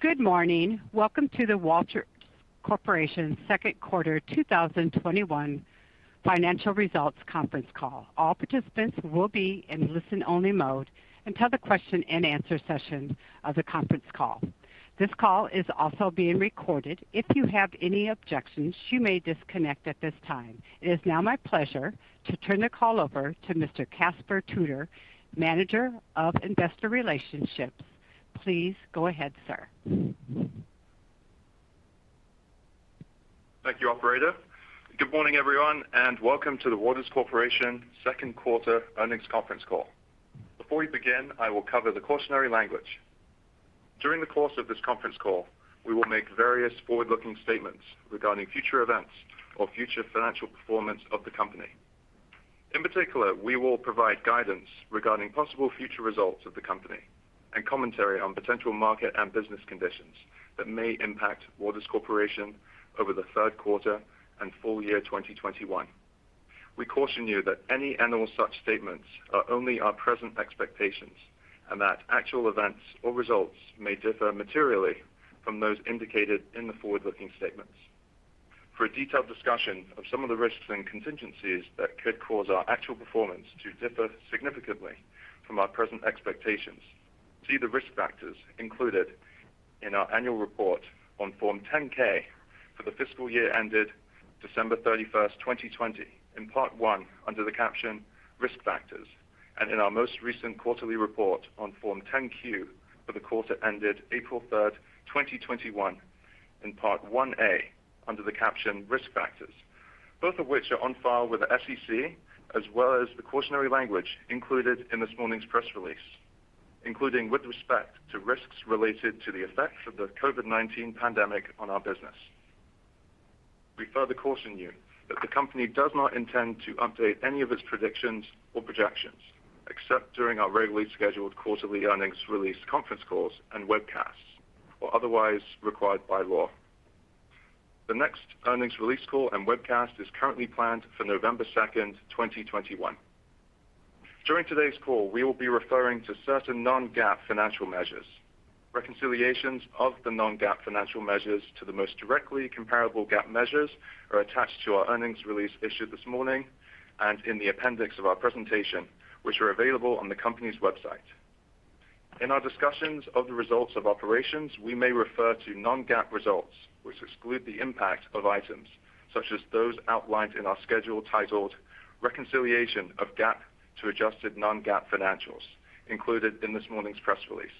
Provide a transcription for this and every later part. Good morning. Welcome to the Waters Corporation second quarter 2021 financial results conference call. All participants will be in listen-only mode until the question and answer session of the conference call. This call is also being recorded. If you have any objections, you may disconnect at this time. It is now my pleasure to turn the call over to Mr. Caspar Tudor, Manager of Investor Relationships. Please go ahead, sir. Thank you, operator. Good morning, everyone, and welcome to the Waters Corporation second quarter earnings conference call. Before we begin, I will cover the cautionary language. During the course of this conference call, we will make various forward-looking statements regarding future events or future financial performance of the company. In particular, we will provide guidance regarding possible future results of the company and commentary on potential market and business conditions that may impact Waters Corporation over the third quarter and full year 2021. We caution you that any and all such statements are only our present expectations, and that actual events or results may differ materially from those indicated in the forward-looking statements. For a detailed discussion of some of the risks and contingencies that could cause our actual performance to differ significantly from our present expectations, see the risk factors included in our annual report on Form 10-K for the fiscal year ended December 31st, 2020, in Part I under the caption Risk Factors, and in our most recent quarterly report on Form 10-Q for the quarter ended April 3rd, 2021 in Part 1A under the caption Risk Factors, both of which are on file with the SEC, as well as the cautionary language included in this morning's press release, including with respect to risks related to the effects of the COVID-19 pandemic on our business. We further caution you that the company does not intend to update any of its predictions or projections, except during our regularly scheduled quarterly earnings release conference calls and webcasts, or otherwise required by law. The next earnings release call and webcast is currently planned for November 2nd, 2021. During today's call, we will be referring to certain non-GAAP financial measures. Reconciliations of the non-GAAP financial measures to the most directly comparable GAAP measures are attached to our earnings release issued this morning, and in the appendix of our presentation, which are available on the company's website. In our discussions of the results of operations, we may refer to non-GAAP results, which exclude the impact of items such as those outlined in our schedule titled Reconciliation of GAAP to Adjusted Non-GAAP Financials included in this morning's press release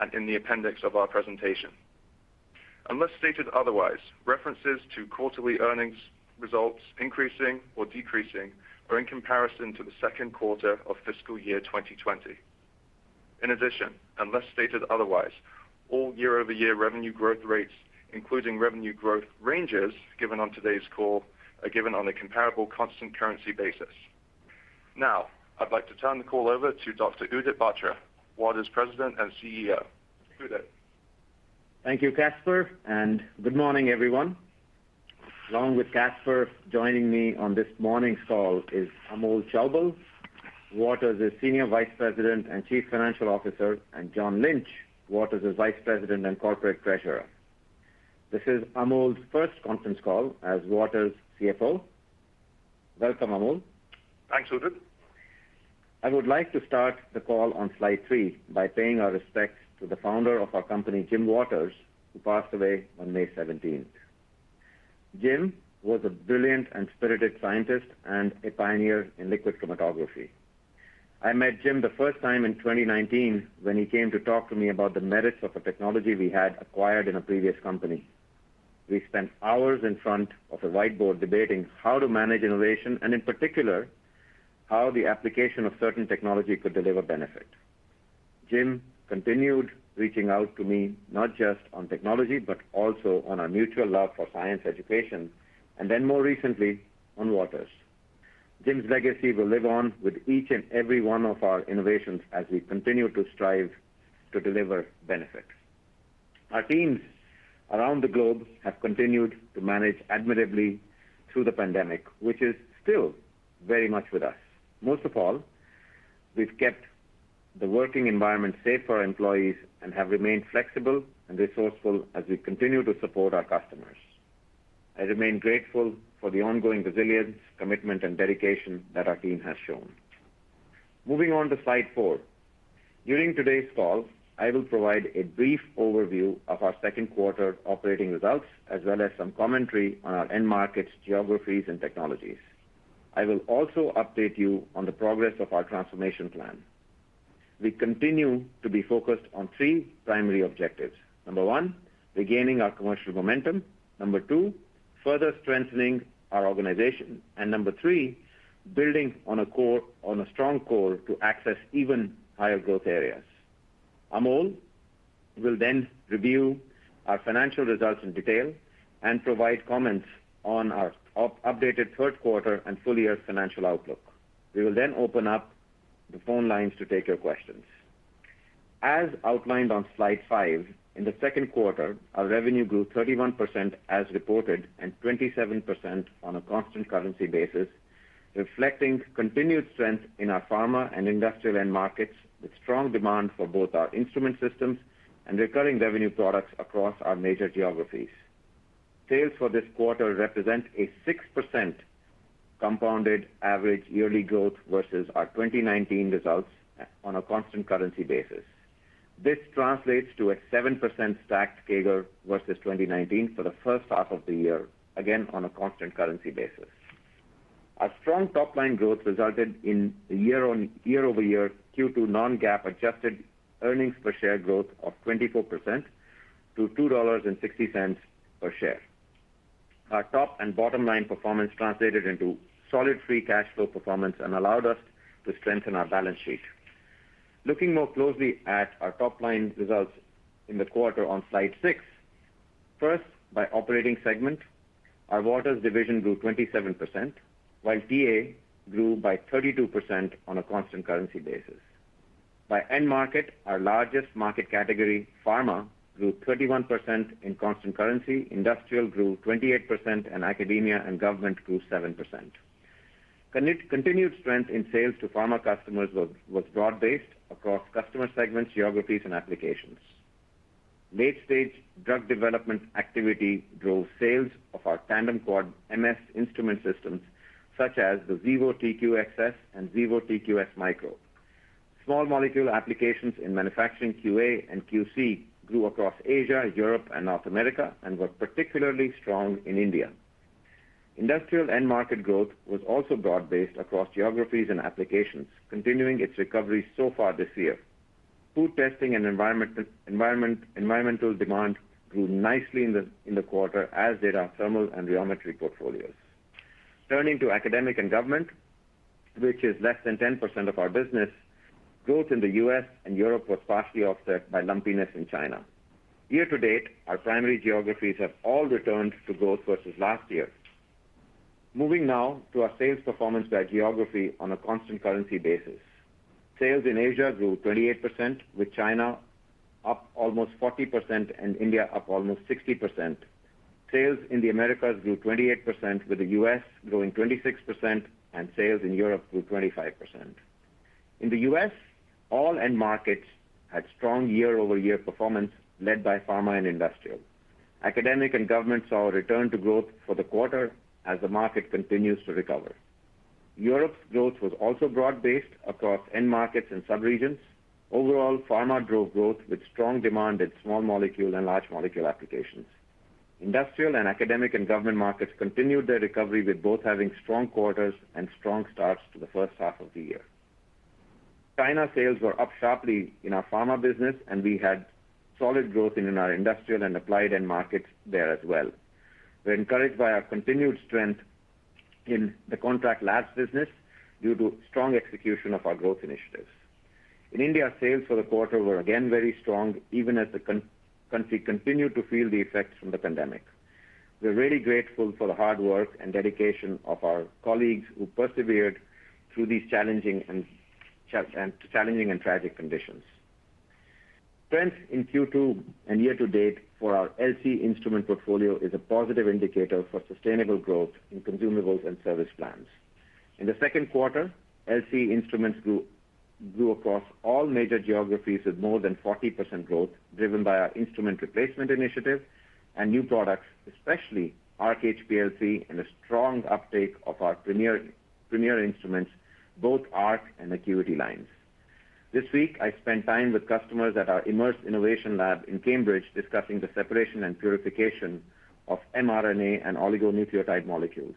and in the appendix of our presentation. Unless stated otherwise, references to quarterly earnings results increasing or decreasing are in comparison to the second quarter of fiscal year 2020. In addition, unless stated otherwise, all year-over-year revenue growth rates, including revenue growth ranges given on today's call, are given on a comparable constant currency basis. Now, I'd like to turn the call over to Dr. Udit Batra, Waters President and CEO. Udit. Thank you, Caspar, and good morning, everyone. Along with Caspar, joining me on this morning's call is Amol Chaubal, Waters' Senior Vice President and Chief Financial Officer, and John Lynch, Waters' Vice President and Corporate Treasurer. This is Amol's first conference call as Waters CFO. Welcome, Amol. Thanks, Udit. I would like to start the call on slide three by paying our respects to the founder of our company, Jim Waters, who passed away on May 17th. Jim was a brilliant and spirited scientist and a pioneer in liquid chromatography. I met Jim the first time in 2019 when he came to talk to me about the merits of a technology we had acquired in a previous company. We spent hours in front of a whiteboard debating how to manage innovation, and in particular, how the application of certain technology could deliver benefit. Jim continued reaching out to me, not just on technology, but also on our mutual love for science education, and then more recently on Waters. Jim's legacy will live on with each and every one of our innovations as we continue to strive to deliver benefits. Our teams around the globe have continued to manage admirably through the pandemic, which is still very much with us. Most of all, we've kept the working environment safe for our employees and have remained flexible and resourceful as we continue to support our customers. I remain grateful for the ongoing resilience, commitment, and dedication that our team has shown. Moving on to slide four. During today's call, I will provide a brief overview of our second quarter operating results, as well as some commentary on our end markets, geographies, and technologies. I will also update you on the progress of our transformation plan. We continue to be focused on three primary objectives. Number one, regaining our commercial momentum. Number two, further strengthening our organization. Number three, building on a strong core to access even higher growth areas. Amol will then review our financial results in detail and provide comments on our updated third quarter and full-year financial outlook. We will open up the phone lines to take your questions. As outlined on slide five, in the second quarter, our revenue grew 31% as reported and 27% on a constant currency basis, reflecting continued strength in our pharma and industrial end markets, with strong demand for both our instrument systems and recurring revenue products across our major geographies. Sales for this quarter represent a 6% compounded average yearly growth versus our 2019 results on a constant currency basis. This translates to a 7% stacked CAGR versus 2019 for the first half of the year, again, on a constant currency basis. Our strong top-line growth resulted in a year-over-year Q2 non-GAAP adjusted earnings per share growth of 24% to $2.60 per share. Our top and bottom line performance translated into solid free cash flow performance and allowed us to strengthen our balance sheet. Looking more closely at our top-line results in the quarter on slide six. First, by operating segment, our Waters division grew 27%, while TA grew by 32% on a constant currency basis. By end market, our largest market category, pharma, grew 31% in constant currency, industrial grew 28%, and academia and government grew 7%. Continued strength in sales to pharma customers was broad-based across customer segments, geographies, and applications. Late-stage drug development activity drove sales of our tandem quadrupole MS instrument systems, such as the Xevo TQ-XS and Xevo TQ-S micro. Small molecule applications in manufacturing QA/QC grew across Asia, Europe, and North America and were particularly strong in India. Industrial end market growth was also broad-based across geographies and applications, continuing its recovery so far this year. Food testing and environmental demand grew nicely in the quarter as did our thermal and rheology portfolios. Turning to academic and government, which is less than 10% of our business, growth in the U.S. and Europe was partially offset by lumpiness in China. Year to date, our primary geographies have all returned to growth versus last year. Moving now to our sales performance by geography on a constant currency basis. Sales in Asia grew 28%, with China up almost 40% and India up almost 60%. Sales in the Americas grew 28%, with the U.S. growing 26%, and sales in Europe grew 25%. In the U.S., all end markets had strong year-over-year performance led by pharma and industrial. Academic and government saw a return to growth for the quarter as the market continues to recover. Europe's growth was also broad-based across end markets and sub-regions. Overall, pharma drove growth with strong demand in small molecule and large molecule applications. Industrial and academic and government markets continued their recovery with both having strong quarters and strong starts to the first half of the year. China sales were up sharply in our pharma business, and we had solid growth in our industrial and applied end markets there as well. We're encouraged by our continued strength in the contract labs business due to strong execution of our growth initiatives. In India, sales for the quarter were again very strong, even as the country continued to feel the effects from the pandemic. We're really grateful for the hard work and dedication of our colleagues who persevered through these challenging and tragic conditions. Strength in Q2 and year to date for our LC instrument portfolio is a positive indicator for sustainable growth in consumables and service plans. In the second quarter, LC instruments grew across all major geographies with more than 40% growth, driven by our instrument replacement initiative and new products, especially Arc HPLC and a strong uptake of our Premier instruments, both Arc and ACQUITY lines. This week, I spent time with customers at our IMMERSE Innovation Lab in Cambridge discussing the separation and purification of mRNA and oligonucleotide molecules.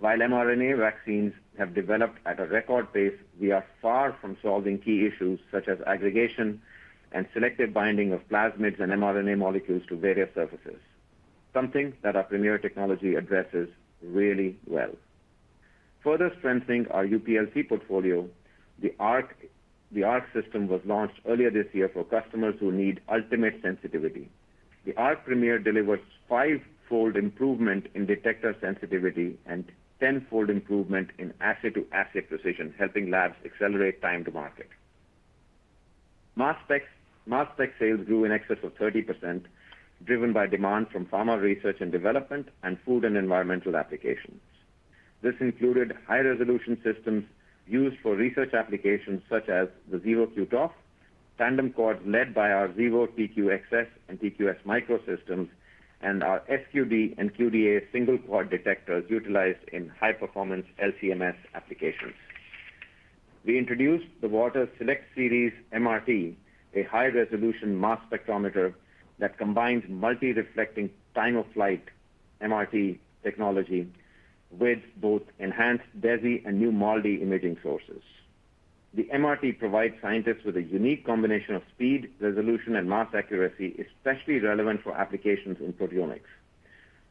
While mRNA vaccines have developed at a record pace, we are far from solving key issues such as aggregation and selective binding of plasmids and mRNA molecules to various surfaces, something that our Premier technology addresses really well. Further strengthening our UPLC portfolio, the Arc system was launched earlier this year for customers who need ultimate sensitivity. The Arc Premier delivers fivefold improvement in detector sensitivity and tenfold improvement in asset-to-asset precision, helping labs accelerate time to market. Mass spec sales grew in excess of 30%, driven by demand from pharma research and development and food and environmental applications. This included high-resolution systems used for research applications such as the Xevo QTof, tandem quads led by our Xevo TQ-XS and TQ-S micro systems, and our SQD and QDa single quad detectors utilized in high-performance LC-MS applications. We introduced the Waters SELECT SERIES MRT, a high-resolution mass spectrometer that combines multi-reflecting time-of-flight MRT technology with both enhanced DESI and new MALDI imaging sources. The MRT provides scientists with a unique combination of speed, resolution, and mass accuracy, especially relevant for applications in proteomics.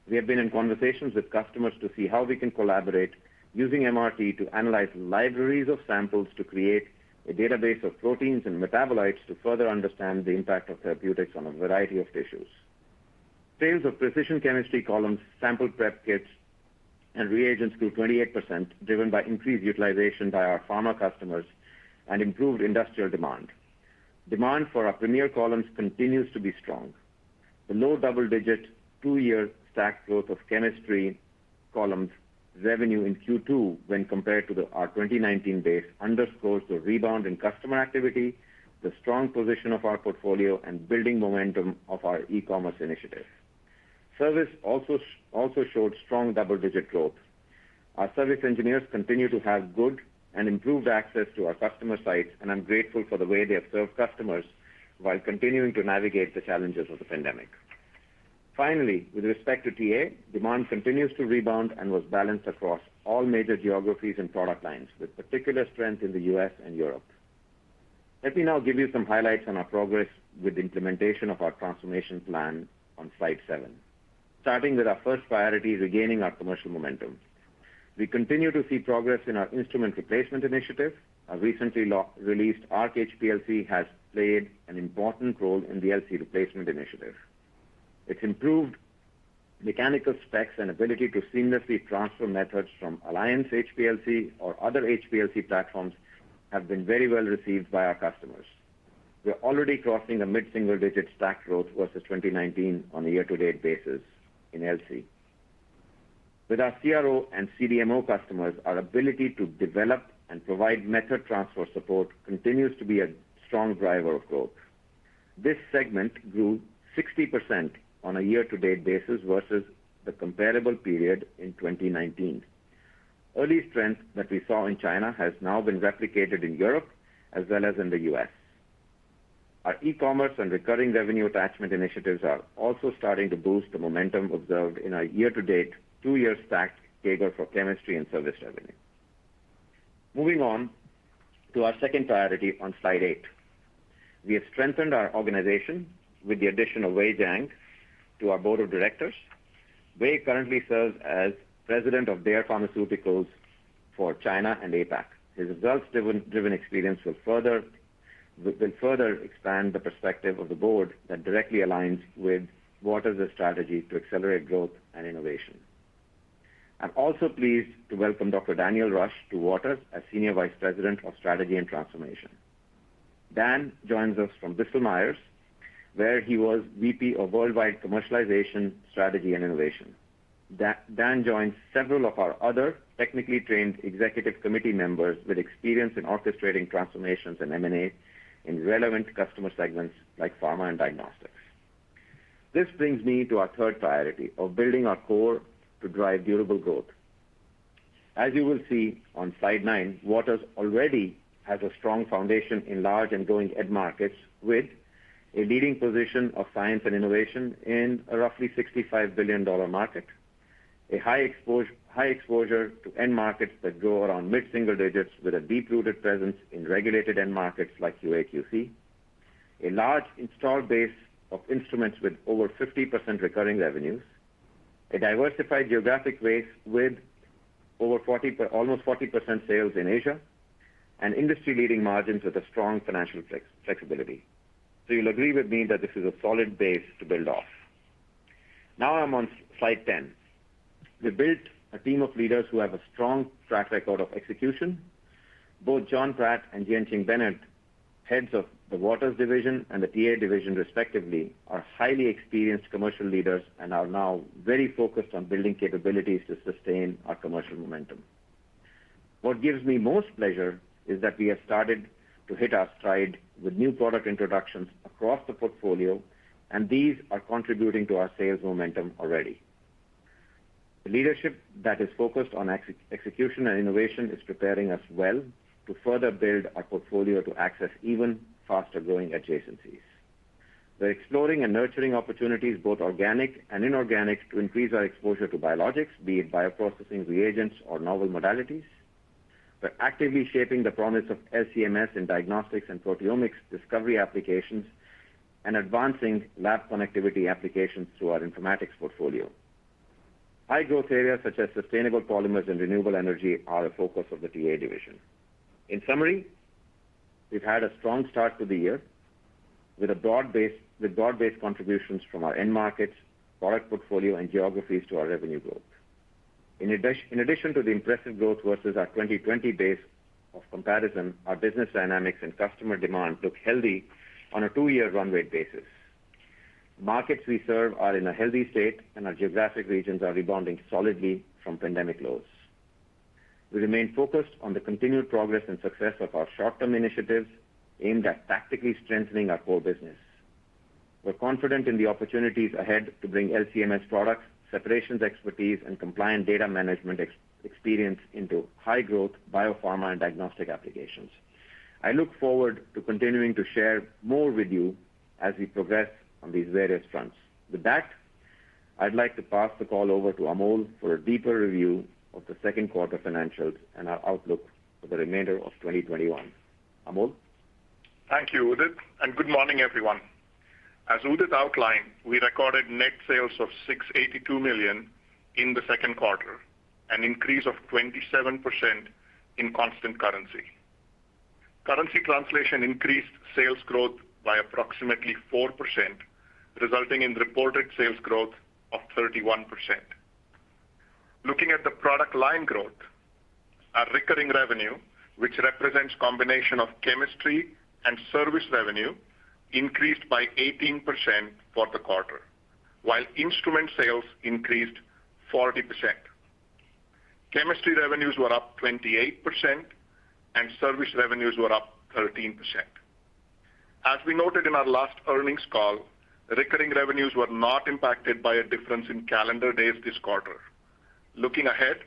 We have been in conversations with customers to see how we can collaborate using MRT to analyze libraries of samples to create a database of proteins and metabolites to further understand the impact of therapeutics on a variety of tissues. Sales of precision chemistry columns, sample prep kits, and reagents grew 28%, driven by increased utilization by our pharma customers and improved industrial demand. Demand for our premier columns continues to be strong. The low double-digit two-year stacked growth of chemistry columns revenue in Q2 when compared to our 2019 base underscores the rebound in customer activity, the strong position of our portfolio, and building momentum of our e-commerce initiative. Service also showed strong double-digit growth. Our service engineers continue to have good and improved access to our customer sites, and I'm grateful for the way they have served customers while continuing to navigate the challenges of the pandemic. Finally, with respect to TA, demand continues to rebound and was balanced across all major geographies and product lines, with particular strength in the U.S. and Europe. Let me now give you some highlights on our progress with the implementation of our transformation plan on slide 7. Starting with our first priority, regaining our commercial momentum. We continue to see progress in our instrument replacement initiative. Our recently released Arc HPLC has played an important role in the LC replacement initiative. Its improved mechanical specs and ability to seamlessly transfer methods from Alliance HPLC or other HPLC platforms have been very well received by our customers. We're already crossing the mid-single-digit stack growth versus 2019 on a year-to-date basis in LC. With our CRO and CDMO customers, our ability to develop and provide method transfer support continues to be a strong driver of growth. This segment grew 60% on a year-to-date basis versus the comparable period in 2019. Early trends that we saw in China has now been replicated in Europe as well as in the U.S. Our e-commerce and recurring revenue attachment initiatives are also starting to boost the momentum observed in our year-to-date, two-year stacked data for chemistry and service revenue. Moving on to our second priority on slide 8. We have strengthened our organization with the addition of Wei Jiang to our board of directors. Wei currently serves as president of Bayer Pharmaceuticals for China and APAC. His results-driven experience will further expand the perspective of the board that directly aligns with Waters' strategy to accelerate growth and innovation. I'm also pleased to welcome Dr. Daniel Rush to Waters as Senior Vice President of Strategy and Transformation. Daniel Rush joins us from Bristol Myers Squibb, where he was VP of worldwide commercialization, strategy, and innovation. Daniel Rush joins several of our other technically trained executive committee members with experience in orchestrating transformations and M&A in relevant customer segments like pharma and diagnostics. This brings me to our third priority of building our core to drive durable growth. As you will see on slide nine, Waters already has a strong foundation in large and growing end markets, with a leading position of science and innovation in a roughly $65 billion market, a high exposure to end markets that grow around mid-single digits with a deep-rooted presence in regulated end markets like QA/QC, a large installed base of instruments with over 50% recurring revenues, a diversified geographic base with almost 40% sales in Asia, and industry-leading margins with a strong financial flexibility. You'll agree with me that this is a solid base to build off. I'm on slide 10. We built a team of leaders who have a strong track record of execution. Both Jonathan Pratt and Jianqing Bennett, heads of the Waters division and the TA division respectively, are highly experienced commercial leaders and are now very focused on building capabilities to sustain our commercial momentum. What gives me most pleasure is that we have started to hit our stride with new product introductions across the portfolio, and these are contributing to our sales momentum already. The leadership that is focused on execution and innovation is preparing us well to further build our portfolio to access even faster-growing adjacencies. We're exploring and nurturing opportunities, both organic and inorganic, to increase our exposure to biologics, be it bioprocessing reagents or novel modalities. We're actively shaping the promise of LC-MS in diagnostics and proteomics discovery applications, and advancing lab connectivity applications through our informatics portfolio. High-growth areas such as sustainable polymers and renewable energy are a focus of the TA division. In summary, we've had a strong start to the year with broad-based contributions from our end markets, product portfolio, and geographies to our revenue growth. In addition to the impressive growth versus our 2020 base of comparison, our business dynamics and customer demand look healthy on a two-year runway basis. Markets we serve are in a healthy state, and our geographic regions are rebounding solidly from pandemic lows. We remain focused on the continued progress and success of our short-term initiatives aimed at tactically strengthening our core business. We're confident in the opportunities ahead to bring LC-MS products, separations expertise, and compliant data management experience into high-growth biopharma and diagnostic applications. I look forward to continuing to share more with you as we progress on these various fronts. With that, I'd like to pass the call over to Amol Chaubal for a deeper review of the second quarter financials and our outlook for the remainder of 2021. Amol? Thank you, Udit, good morning, everyone. As Udit outlined, we recorded net sales of $682 million in the second quarter, an increase of 27% in constant currency. Currency translation increased sales growth by approximately 4%, resulting in reported sales growth of 31%. Product line growth. Our recurring revenue, which represents combination of chemistry and service revenue, increased by 18% for the quarter, while instrument sales increased 40%. Chemistry revenues were up 28%, and service revenues were up 13%. As we noted in our last earnings call, recurring revenues were not impacted by a difference in calendar days this quarter. Looking ahead,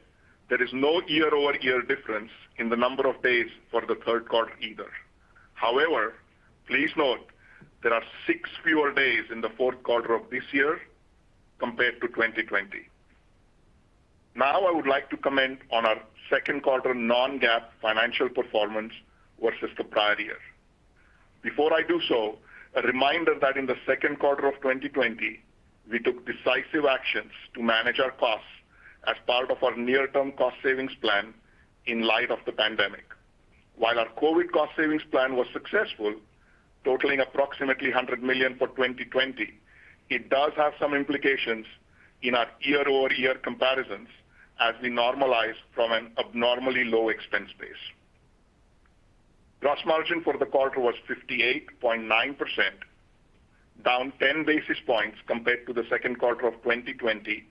there is no year-over-year difference in the number of days for the third quarter either. However, please note there are six fewer days in the fourth quarter of this year compared to 2020. I would like to comment on our second quarter non-GAAP financial performance versus the prior year. Before I do so, a reminder that in the second quarter of 2020, we took decisive actions to manage our costs as part of our near-term cost savings plan in light of the pandemic. While our COVID cost savings plan was successful, totaling approximately $100 million for 2020, it does have some implications in our year-over-year comparisons as we normalize from an abnormally low expense base. Gross margin for the quarter was 58.9%, down 10 basis points compared to the second quarter of 2020,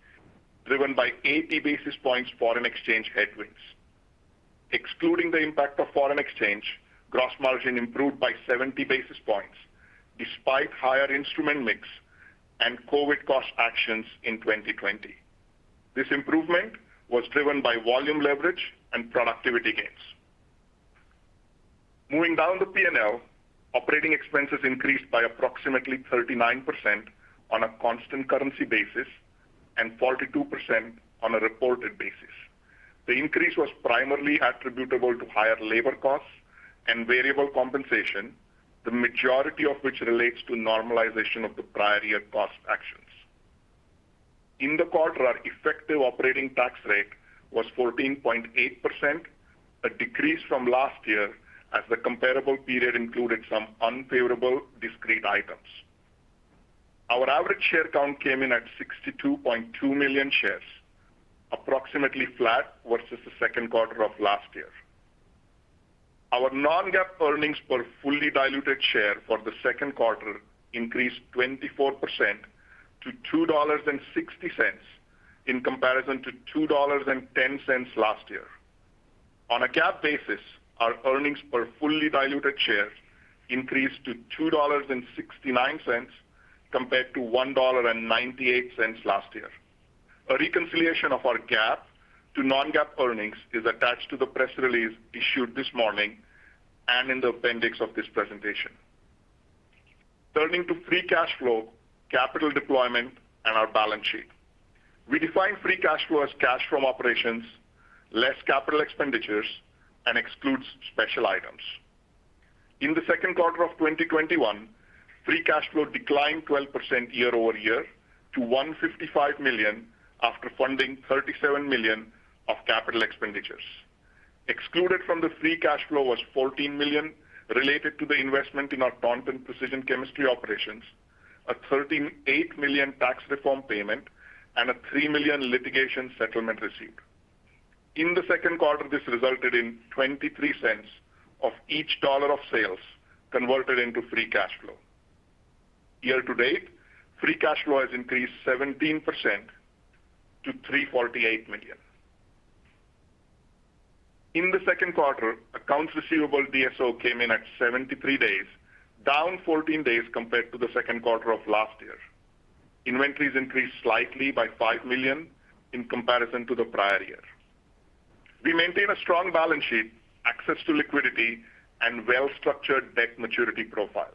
driven by 80 basis points foreign exchange headwinds. Excluding the impact of foreign exchange, gross margin improved by 70 basis points despite higher instrument mix and COVID cost actions in 2020. This improvement was driven by volume leverage and productivity gains. Moving down the P&L, operating expenses increased by approximately 39% on a constant currency basis and 42% on a reported basis. The increase was primarily attributable to higher labor costs and variable compensation, the majority of which relates to normalization of the prior year cost actions. In the quarter, our effective operating tax rate was 14.8%, a decrease from last year as the comparable period included some unfavorable discrete items. Our average share count came in at 62.2 million shares, approximately flat versus the second quarter of last year. Our non-GAAP earnings per fully diluted share for the second quarter increased 24% to $2.60 in comparison to $2.10 last year. On a GAAP basis, our earnings per fully diluted share increased to $2.69 compared to $1.98 last year. A reconciliation of our GAAP to non-GAAP earnings is attached to the press release issued this morning and in the appendix of this presentation. Turning to free cash flow, capital deployment, and our balance sheet. We define free cash flow as cash from operations, less capital expenditures, and excludes special items. In the second quarter of 2021, free cash flow declined 12% year-over-year to $155 million after funding $37 million of capital expenditures. Excluded from the free cash flow was $14 million related to the investment in our Taunton Precision Chemistry operations, a $38 million tax reform payment, and a $3 million litigation settlement received. In the second quarter, this resulted in $0.23 of each dollar of sales converted into free cash flow. Year to date, free cash flow has increased 17% to $348 million. In the second quarter, accounts receivable DSO came in at 73 days, down 14 days compared to the second quarter of last year. Inventories increased slightly by $5 million in comparison to the prior year. We maintain a strong balance sheet, access to liquidity, and well-structured debt maturity profile.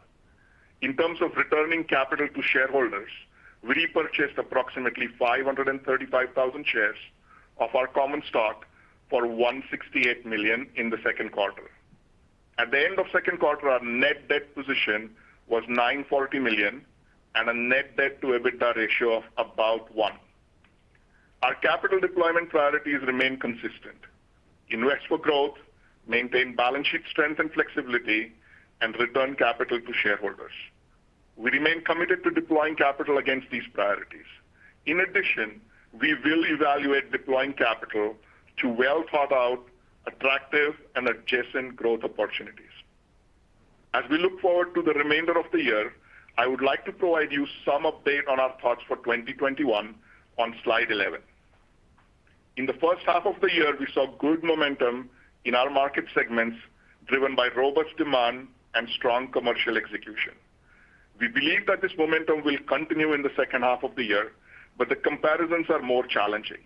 In terms of returning capital to shareholders, we repurchased approximately 535,000 shares of our common stock for $168 million in the second quarter. At the end of second quarter, our net debt position was $940 million and a net debt to EBITDA ratio of about one. Our capital deployment priorities remain consistent: invest for growth, maintain balance sheet strength and flexibility, and return capital to shareholders. We remain committed to deploying capital against these priorities. In addition, we will evaluate deploying capital to well-thought-out, attractive, and adjacent growth opportunities. As we look forward to the remainder of the year, I would like to provide you some update on our thoughts for 2021 on slide 11. In the first half of the year, we saw good momentum in our market segments driven by robust demand and strong commercial execution. We believe that this momentum will continue in the second half of the year, but the comparisons are more challenging.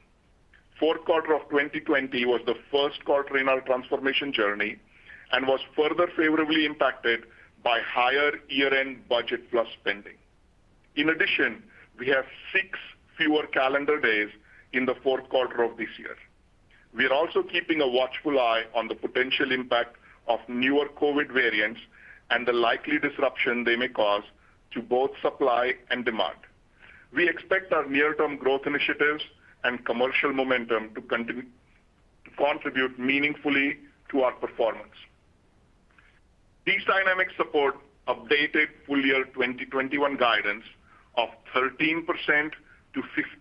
Fourth quarter of 2020 was the first quarter in our transformation journey and was further favorably impacted by higher year-end budget plus spending. In addition, we have six fewer calendar days in the fourth quarter of this year. We are also keeping a watchful eye on the potential impact of newer COVID variants and the likely disruption they may cause to both supply and demand. We expect our near-term growth initiatives and commercial momentum to contribute meaningfully to our performance. These dynamics support updated full-year 2021 guidance of 13%-15%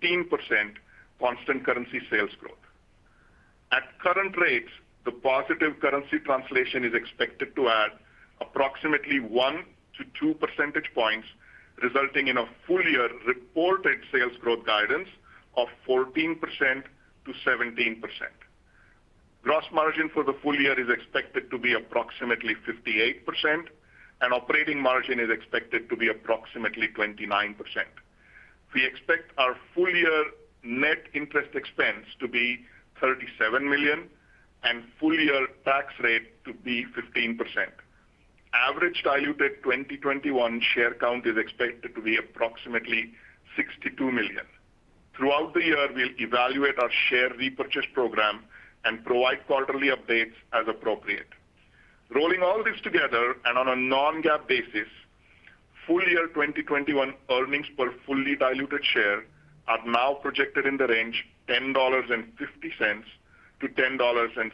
constant currency sales growth. At current rates, the positive currency translation is expected to add approximately one to two percentage points, resulting in a full-year reported sales growth guidance of 14%-17%. Gross margin for the full year is expected to be approximately 58%, and operating margin is expected to be approximately 29%. We expect our full-year net interest expense to be $37 million and full-year tax rate to be 15%. Average diluted 2021 share count is expected to be approximately 62 million. Throughout the year, we'll evaluate our share repurchase program and provide quarterly updates as appropriate. Rolling all this together and on a non-GAAP basis, full-year 2021 earnings per fully diluted share are now projected in the range $10.50-$10.70.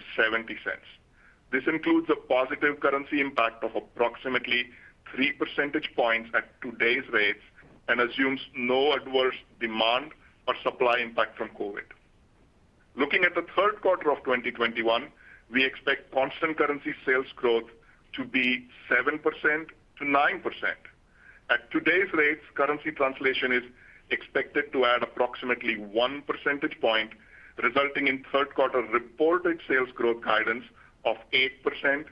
This includes a positive currency impact of approximately three percentage points at today's rates and assumes no adverse demand or supply impact from COVID. Looking at the third quarter of 2021, we expect constant currency sales growth to be 7%-9%. At today's rates, currency translation is expected to add approximately one percentage point, resulting in third quarter reported sales growth guidance of 8%-10%.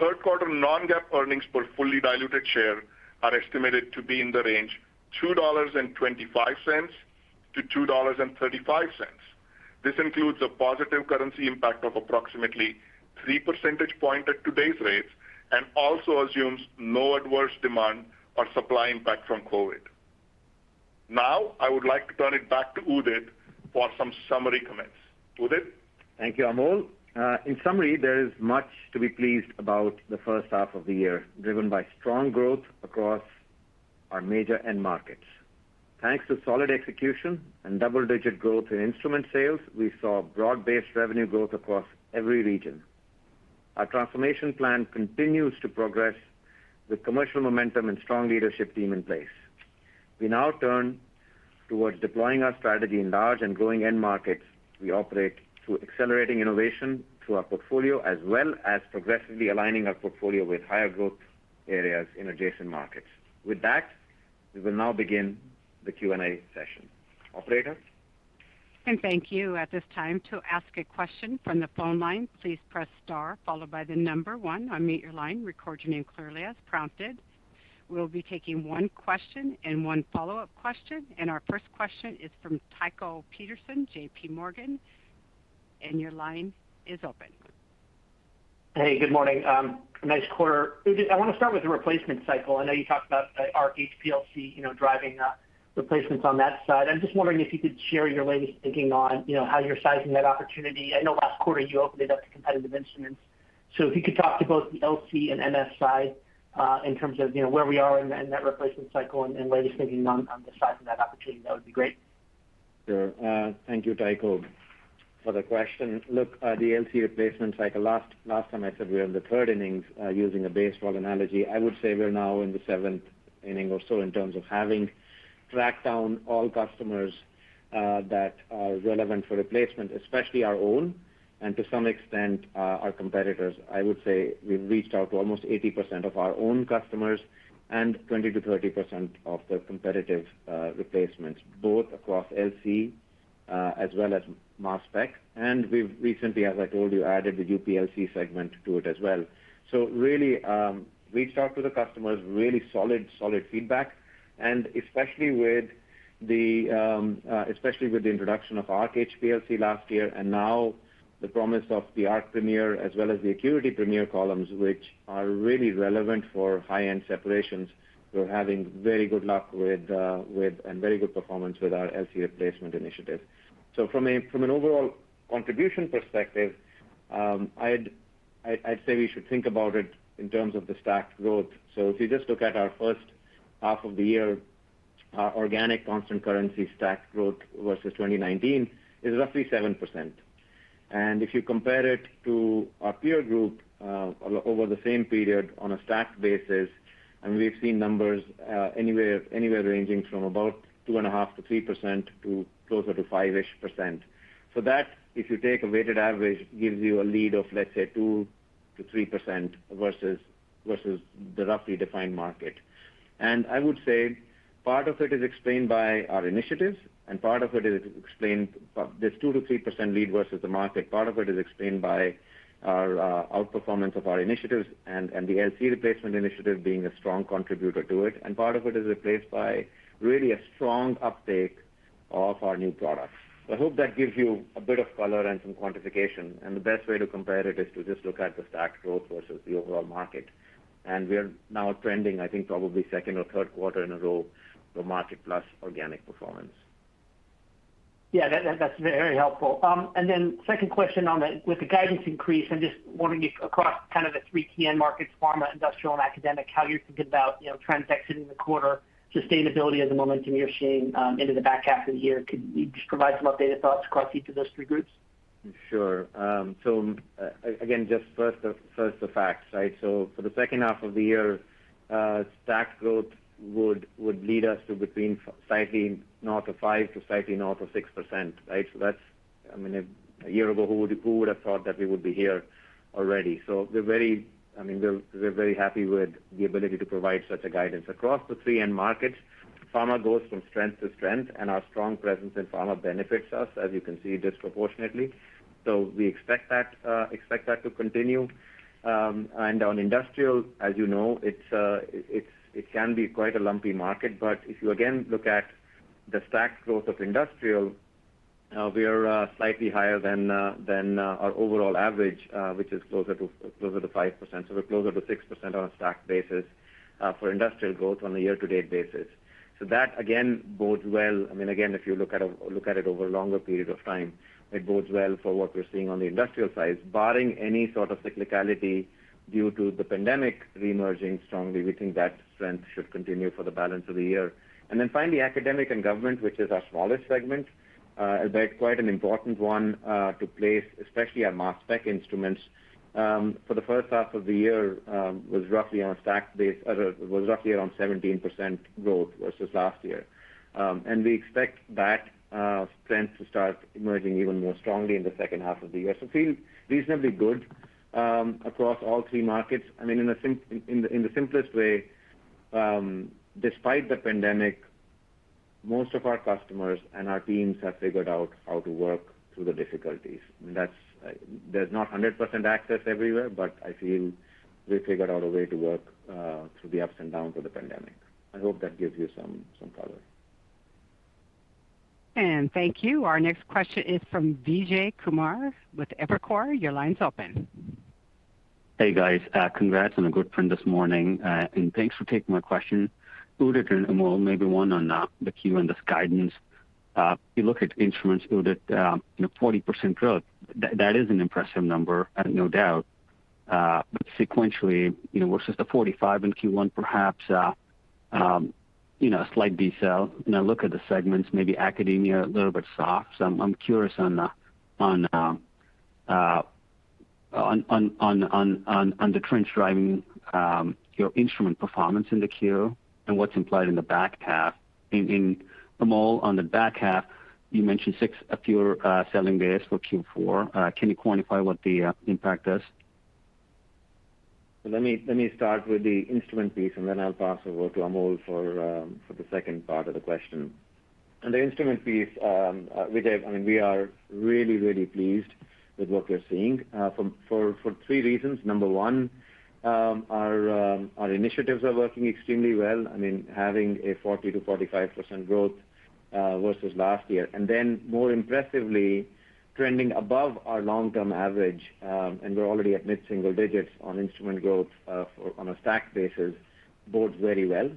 Third quarter non-GAAP earnings per fully diluted share are estimated to be in the range $2.25-$2.35. This includes a positive currency impact of approximately three percentage point at today's rates, assumes no adverse demand or supply impact from COVID. I would like to turn it back to Udit for some summary comments. Udit? Thank you, Amol. In summary, there is much to be pleased about the first half of the year, driven by strong growth across our major end markets. Thanks to solid execution and double-digit growth in instrument sales, we saw broad-based revenue growth across every region. Our transformation plan continues to progress with commercial momentum and strong leadership team in place. We now turn towards deploying our strategy in large and growing end markets we operate through accelerating innovation through our portfolio, as well as progressively aligning our portfolio with higher growth areas in adjacent markets. With that, we will now begin the Q&A session. Operator? Thank you. We'll be taking one question and one follow-up question. Our first question is from Tycho Peterson, JPMorgan, and your line is open. Hey, good morning. Nice quarter. Udit, I want to start with the replacement cycle. I know you talked about Arc HPLC driving replacements on that side. I'm just wondering if you could share your latest thinking on how you're sizing that opportunity. I know last quarter you opened it up to competitive instruments. If you could talk to both the LC and MS side, in terms of where we are in that replacement cycle and latest thinking on the size of that opportunity, that would be great. Sure. Thank you, Tycho, for the question. Look, the LC replacement cycle, last time I said we are in the third innings, using a baseball analogy. I would say we're now in the seventh inning or so in terms of having tracked down all customers that are relevant for replacement, especially our own, and to some extent, our competitors. I would say we've reached out to almost 80% of our own customers and 20%-30% of the competitive replacements, both across LC, as well as mass spec. We've recently, as I told you, added the UPLC segment to it as well. Really, reached out to the customers, really solid feedback, and especially with the introduction of Arc HPLC last year, and now the promise of the Arc Premier as well as the ACQUITY PREMIER columns, which are really relevant for high-end separations. We're having very good luck and very good performance with our LC replacement initiative. From an overall contribution perspective, I'd say we should think about it in terms of the stacked growth. If you just look at our first half of the year, our organic constant currency stacked growth versus 2019 is roughly 7%. If you compare it to our peer group over the same period on a stacked basis, we've seen numbers anywhere ranging from about 2.5%-3% to closer to 5-ish%. That, if you take a weighted average, gives you a lead of, let's say, 2%-3% versus the roughly defined market. I would say part of it is explained by our initiatives and part of it is explained by this 2%-3% lead versus the market. Part of it is explained by our outperformance of our initiatives and the LC replacement initiative being a strong contributor to it, and part of it is replaced by really a strong uptake of our new products. I hope that gives you a bit of color and some quantification, and the best way to compare it is to just look at the stacked growth versus the overall market. We're now trending, I think probably second or third quarter in a row, the market plus organic performance. Yeah, that's very helpful. Second question on that, with the guidance increase, I'm just wondering if across kind of the three key end markets, pharma, industrial, and academic, how you're thinking about trends exiting the quarter, sustainability of the momentum you're seeing into the back half of the year. Could you just provide some updated thoughts across each of those three groups? Sure. Again, just first, the facts, right? For the second half of the year, stack growth would lead us to between slightly north of 5% to slightly north of 6%. That's, a year ago, who would have thought that we would be here already? We're very happy with the ability to provide such a guidance. Across the three end markets, pharma goes from strength to strength, and our strong presence in pharma benefits us, as you can see, disproportionately. We expect that to continue. On industrial, as you know, it can be quite a lumpy market, but if you again look at the stack growth of industrial, we are slightly higher than our overall average, which is closer to 5%. We're closer to 6% on a stack basis for industrial growth on a year-to-date basis. That again, bodes well, again, if you look at it over a longer period of time, it bodes well for what we're seeing on the industrial side. Barring any sort of cyclicality due to the pandemic reemerging strongly, we think that strength should continue for the balance of the year. Finally, academic and government, which is our smallest segment, but quite an important one to place, especially our mass spec instruments. For the first half of the year, was roughly around 17% growth versus last year. We expect that strength to start emerging even more strongly in the second half of the year. Feel reasonably good, across all three markets. In the simplest way, despite the pandemic, most of our customers and our teams have figured out how to work through the difficulties. There's not 100% access everywhere, but I feel we figured out a way to work through the ups and downs of the pandemic. I hope that gives you some color. Thank you. Our next question is from Vijay Kumar with Evercore. Your line's open. Hey, guys. Congrats on a good print this morning, and thanks for taking my question. Udit and Amol, maybe one on the Q and this guidance. You look at instruments, Udit, 40% growth, that is an impressive number, no doubt. Sequentially, versus the 45% in Q1, perhaps, a slight detail. Look at the segments, maybe academia a little bit soft. I'm curious on the trends driving your instrument performance in the Q, and what's implied in the back half. Amol, on the back half, you mentioned six fewer selling days for Q4. Can you quantify what the impact is? Let me start with the instrument piece, and then I'll pass over to Amol for the second part of the question. On the instrument piece, Vijay, we are really, really pleased with what we're seeing, for three reasons. Number one, our initiatives are working extremely well, having a 40%-45% growth, versus last year. More impressively, trending above our long-term average, and we're already at mid-single digits on instrument growth, on a stack basis, bodes very well.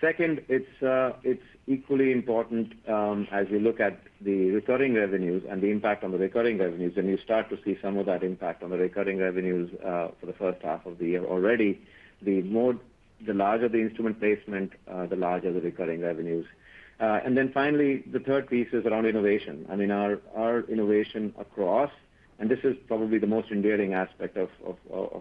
Second, it's equally important, as we look at the recurring revenues and the impact on the recurring revenues, and you start to see some of that impact on the recurring revenues for the first half of the year already. The larger the instrument placement, the larger the recurring revenues. Finally, the third piece is around innovation. This is probably the most endearing aspect of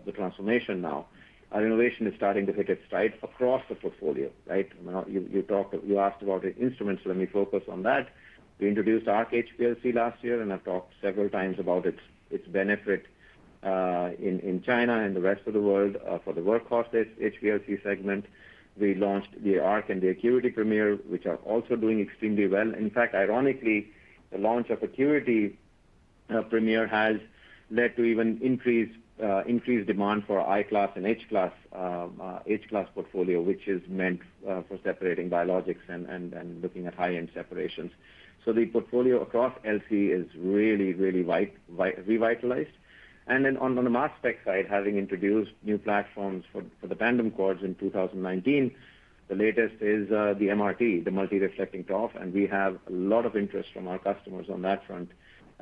the transformation now. Our innovation is starting to hit its stride across the portfolio, right? You asked about the instruments, let me focus on that. We introduced our HPLC last year. I've talked several times about its benefit, in China and the rest of the world, for the workhorse HPLC segment. We launched the Arc and the ACQUITY Premier, which are also doing extremely well. In fact, ironically, the launch of ACQUITY Premier has led to even increased demand for I-Class and H-Class portfolio, which is meant for separating biologics and looking at high-end separations. The portfolio across LC is really revitalized. On the mass spec side, having introduced new platforms for the tandem quads in 2019, the latest is the MRT, the multi-reflecting TOF. We have a lot of interest from our customers on that front.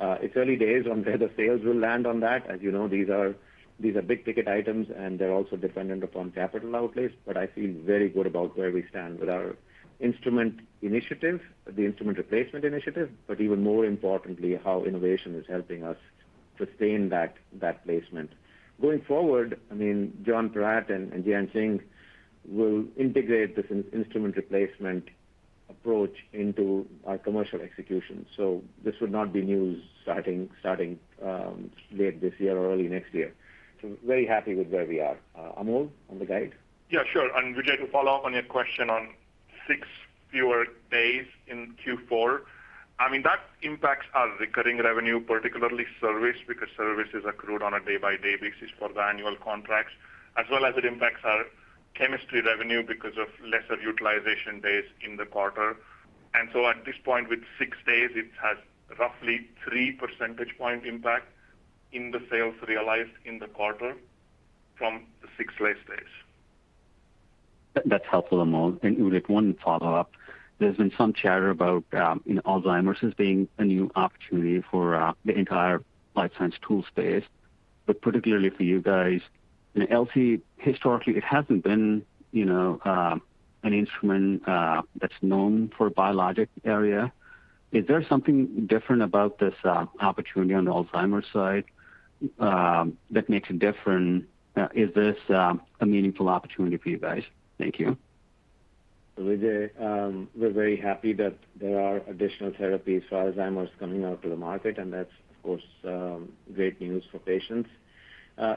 It's early days on where the sales will land on that. As you know, these are big-ticket items. They're also dependent upon capital outlays. I feel very good about where we stand with our instrument initiative, the instrument replacement initiative. Even more importantly, how innovation is helping us sustain that placement. Going forward, Jonathan Pratt and Jianqing Bennett will integrate this instrument replacement approach into our commercial execution. This would not be news starting late this year or early next year. Very happy with where we are. Amol, on the guide? Yeah, sure. Vijay, to follow up on your question on six fewer days in Q4. That impacts our recurring revenue, particularly service, because service is accrued on a day-by-day basis for the annual contracts, as well as it impacts our chemistry revenue because of lesser utilization days in the quarter. At this point, with six days, it has roughly three percentage point impact in the sales realized in the quarter from the six less days. That's helpful, Amol. Udit, one follow-up. There's been some chatter about Alzheimer's as being a new opportunity for the entire life science tool space. Particularly for you guys, in LC, historically, it hasn't been an instrument that's known for biologic area. Is there something different about this opportunity on the Alzheimer's side that makes it different? Is this a meaningful opportunity for you guys? Thank you. Udit, we're very happy that there are additional therapies for Alzheimer's coming out to the market. That's, of course, great news for patients.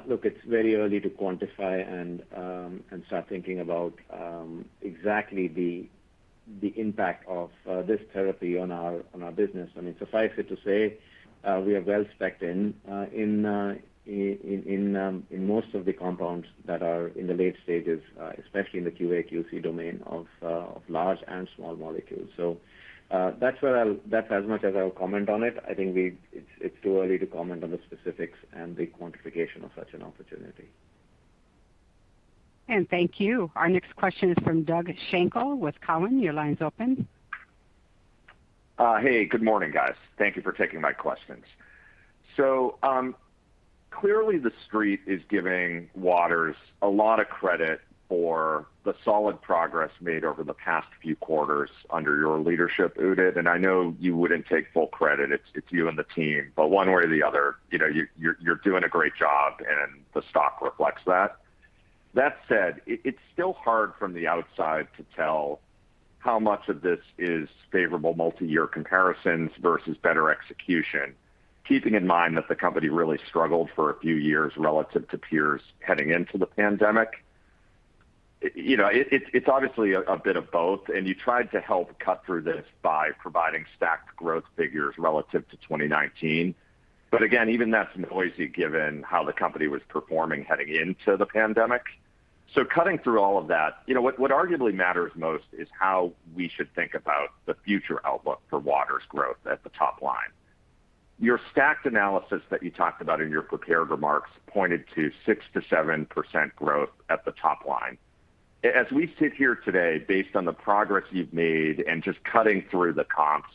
Look, it's very early to quantify and start thinking about exactly the impact of this therapy on our business. Suffice it to say, we are well spec'd in in most of the compounds that are in the late stages, especially in the QA/QC domain of large and small molecules. That's as much as I'll comment on it. I think it's too early to comment on the specifics and the quantification of such an opportunity. Thank you. Our next question is from Doug Schenkel with Cowen. Your line's open. Hey, good morning, guys. Thank you for taking my questions. Clearly, the Street is giving Waters a lot of credit for the solid progress made over the past few quarters under your leadership, Udit, and I know you wouldn't take full credit. It's you and the team, but one way or the other, you're doing a great job, and the stock reflects that. That said, it's still hard from the outside to tell how much of this is favorable multi-year comparisons versus better execution, keeping in mind that the company really struggled for a few years relative to peers heading into the pandemic. It's obviously a bit of both, and you tried to help cut through this by providing stacked growth figures relative to 2019. Again, even that's noisy given how the company was performing heading into the pandemic. Cutting through all of that, what arguably matters most is how we should think about the future outlook for Waters' growth at the top line. Your stacked analysis that you talked about in your prepared remarks pointed to 6%-7% growth at the top line. As we sit here today, based on the progress you've made and just cutting through the comps,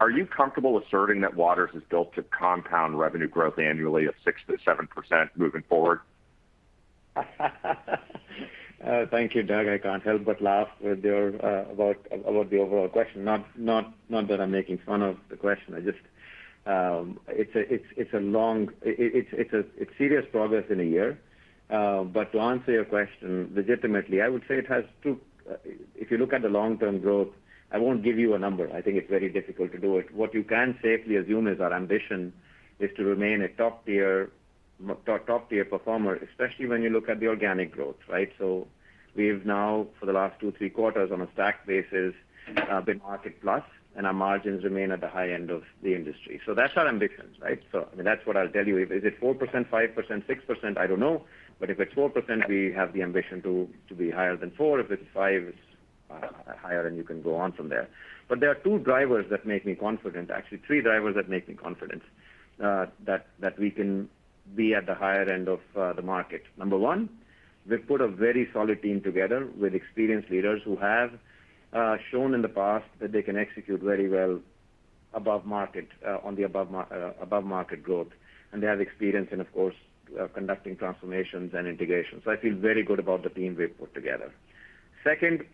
are you comfortable asserting that Waters has built to compound revenue growth annually of 6%-7% moving forward? Thank you, Doug. I can't help but laugh there about the overall question. Not that I'm making fun of the question. It's serious progress in a year. To answer your question legitimately, I would say it has. If you look at the long-term growth, I won't give you a number. I think it's very difficult to do it. What you can safely assume is our ambition is to remain a top-tier performer, especially when you look at the organic growth, right? We've now, for the last two, three quarters on a stacked basis, been market plus, and our margins remain at the high end of the industry. That's our ambitions, right? That's what I'll tell you. Is it 4%, 5%, 6%? I don't know. If it's 4%, we have the ambition to be higher than 4%. If it's 5%, it's higher, and you can go on from there. There are two drivers that make me confident, actually, three drivers that make me confident that we can be at the higher end of the market. Number one, we've put a very solid team together with experienced leaders who have shown in the past that they can execute very well above market on the above market growth. They have experience in, of course, conducting transformations and integrations. I feel very good about the team we've put together. Second,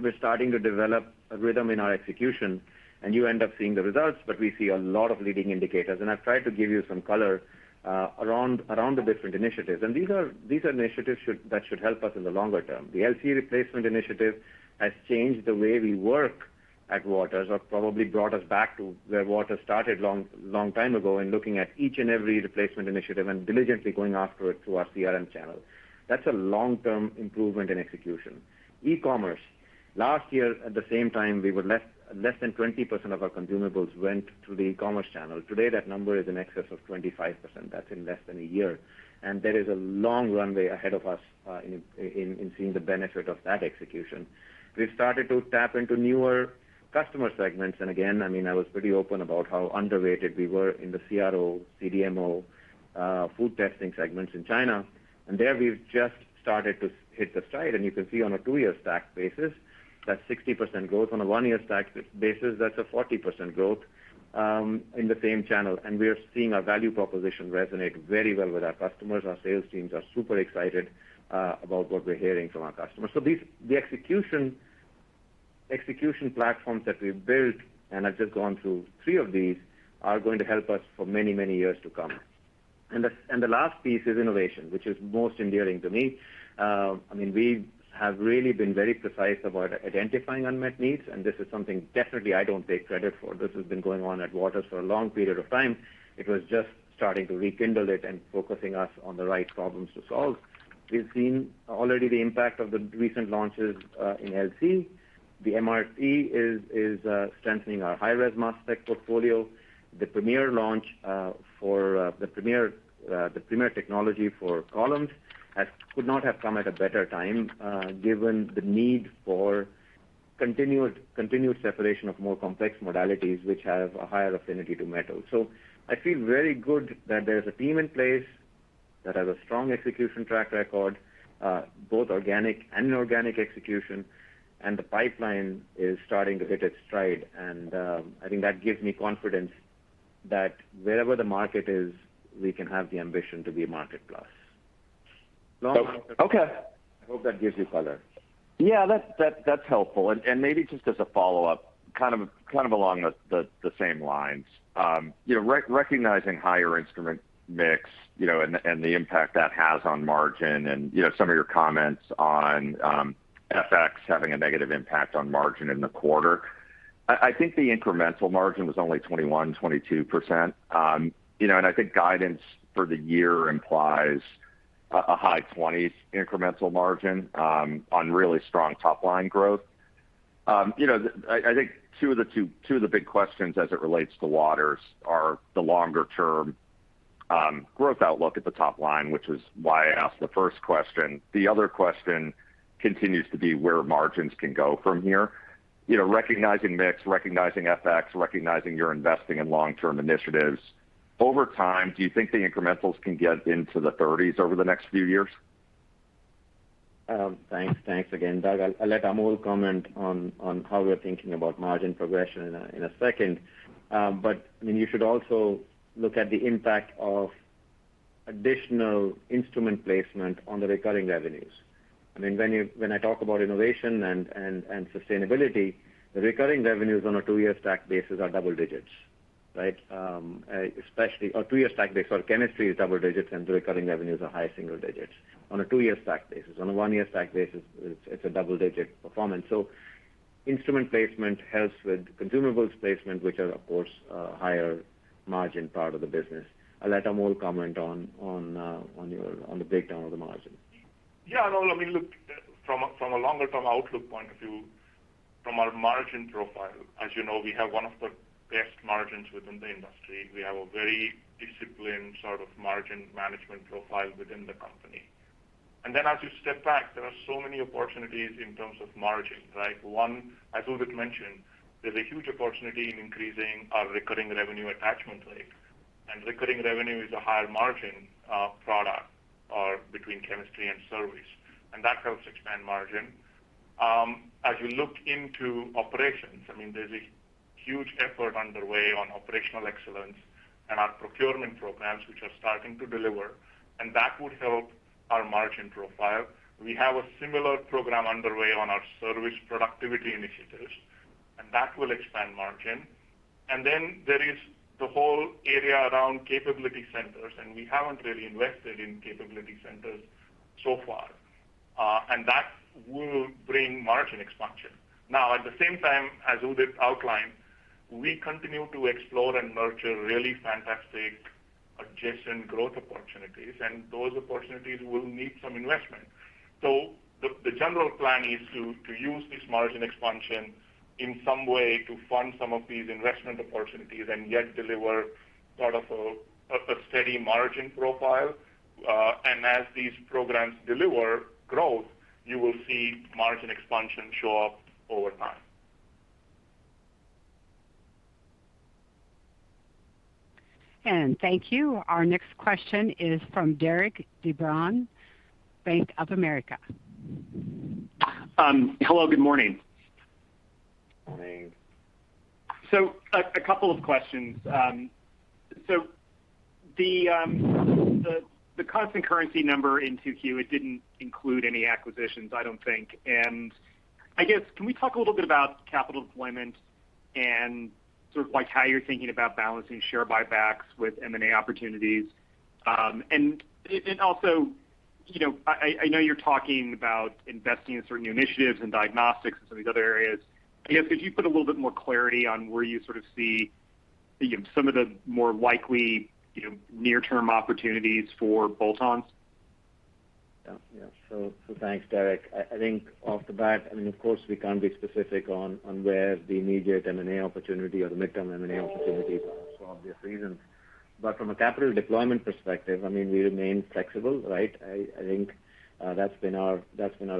we're starting to develop a rhythm in our execution, and you end up seeing the results, but we see a lot of leading indicators, and I've tried to give you some color around the different initiatives. These are initiatives that should help us in the longer term. The LC replacement initiative has changed the way we work at Waters or probably brought us back to where Waters started long time ago in looking at each and every replacement initiative and diligently going after it through our CRM channel. That's a long-term improvement in execution. E-commerce. Last year, at the same time, less than 20% of our consumables went through the e-commerce channel. Today, that number is in excess of 25%. That's in less than a year. There is a long runway ahead of us in seeing the benefit of that execution. We've started to tap into newer customer segments. Again, I was pretty open about how underrated we were in the CRO, CDMO, food testing segments in China. There we've just started to hit the stride, and you can see on a two-year stacked basis, that's 60% growth. On a one-year stacked basis, that's a 40% growth in the same channel. We are seeing our value proposition resonate very well with our customers. Our sales teams are super excited about what we're hearing from our customers. The execution platforms that we've built, and I've just gone through three of these, are going to help us for many, many years to come. The last piece is innovation, which is most endearing to me. We have really been very precise about identifying unmet needs, and this is something definitely I don't take credit for. This has been going on at Waters for a long period of time. It was just starting to rekindle it and focusing us on the right problems to solve. We've seen already the impact of the recent launches in LC. The MRT is strengthening our high-res mass spec portfolio. The Premier technology for columns could not have come at a better time, given the need for continued separation of more complex modalities which have a higher affinity to metal. I feel very good that there's a team in place that has a strong execution track record, both organic and inorganic execution, and the pipeline is starting to hit its stride. I think that gives me confidence that wherever the market is, we can have the ambition to be a market plus. Okay. I hope that gives you color. Yeah. That's helpful. Maybe just as a follow-up, kind of along the same lines. Recognizing higher instrument mix, and the impact that has on margin and some of your comments on FX having a negative impact on margin in the quarter. I think the incremental margin was only 21%-22%. I think guidance for the year implies a high 20s incremental margin, on really strong top-line growth. I think two of the big questions as it relates to Waters are the longer-term growth outlook at the top line, which is why I asked the first question. The other question continues to be where margins can go from here. Recognizing mix, recognizing FX, recognizing you're investing in long-term initiatives. Over time, do you think the incrementals can get into the 30s over the next few years? Thanks again, Doug. I'll let Amol comment on how we're thinking about margin progression in a second. You should also look at the impact of additional instrument placement on the recurring revenues. When I talk about innovation and sustainability, the recurring revenues on a two-year stack basis are double digits, right. Our chemistry is double digits, and the recurring revenues are high single digits on a two-year stack basis. On a one-year stack basis, it's a double-digit performance. Instrument placement helps with consumables placement, which are, of course, a higher margin part of the business. I'll let Amol comment on the breakdown of the margin. From a longer-term outlook point of view, from our margin profile, as you know, we have one of the best margins within the industry. We have a very disciplined sort of margin management profile within the company. As you step back, there are so many opportunities in terms of margin, right? One, as Udit mentioned, there's a huge opportunity in increasing our recurring revenue attachment rate. Recurring revenue is a higher margin product between chemistry and service, and that helps expand margin. As you look into operations, there's a huge effort underway on operational excellence and our procurement programs, which are starting to deliver, and that would help our margin profile. We have a similar program underway on our service productivity initiatives, and that will expand margin. There is the whole area around capability centers, and we haven't really invested in capability centers so far. That will bring margin expansion. Now, at the same time, as Udit outlined, we continue to explore and nurture really fantastic adjacent growth opportunities, and those opportunities will need some investment. The general plan is to use this margin expansion in some way to fund some of these investment opportunities and yet deliver sort of a steady margin profile. As these programs deliver growth, you will see margin expansion show up over time. Thank you. Our next question is from Derik De Bruin, Bank of America. Hello, good morning. Morning. A couple of questions. The constant currency number in 2Q, it didn't include any acquisitions, I don't think. I guess, can we talk a little bit about capital deployment and sort of how you're thinking about balancing share buybacks with M&A opportunities? Also, I know you're talking about investing in certain initiatives in diagnostics and some of these other areas. I guess, could you put a little bit more clarity on where you sort of see some of the more likely near-term opportunities for bolt-ons? Thanks, Derik De Bruin. I think off the bat, of course, we can't be specific on where the immediate M&A opportunity or the midterm M&A opportunity for obvious reasons. From a capital deployment perspective, we remain flexible, right? I think that's been our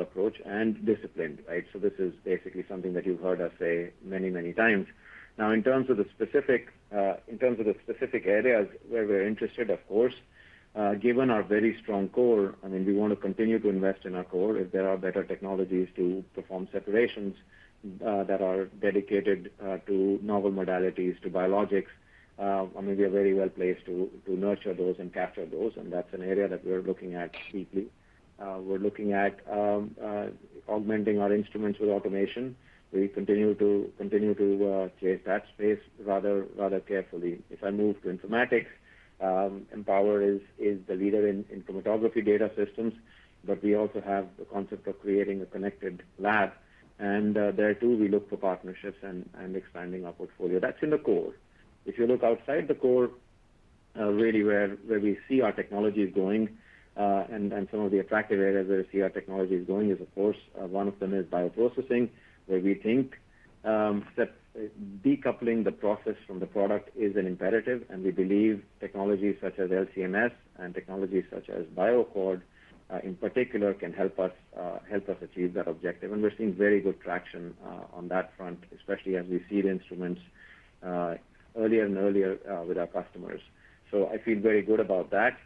approach, and disciplined, right? This is basically something that you've heard us say many times. In terms of the specific areas where we're interested, of course, given our very strong core, we want to continue to invest in our core. If there are better technologies to perform separations, that are dedicated to novel modalities, to biologics, we are very well-placed to nurture those and capture those. That's an area that we're looking at deeply. We're looking at augmenting our instruments with automation. We continue to chase that space rather carefully. If I move to informatics, Empower is the leader in chromatography data systems, but we also have the concept of creating a connected lab. There, too, we look for partnerships and expanding our portfolio. That's in the core. If you look outside the core, really where we see our technologies going, and some of the attractive areas where we see our technologies going is, of course, one of them is bioprocessing, where we think that decoupling the process from the product is an imperative, and we believe technologies such as LC-MS and technologies such as BioAccord, in particular, can help us achieve that objective. We're seeing very good traction on that front, especially as we see the instruments earlier and earlier with our customers. I feel very good about that.